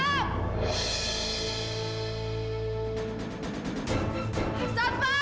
ini enggak mungkin